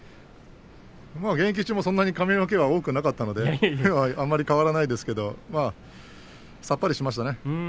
まあ現役中もそんなに髪の毛は多くなかったので、あまり変わらないですけどさっぱりしましたね。